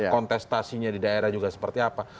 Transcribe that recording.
kontestasinya di daerah juga seperti apa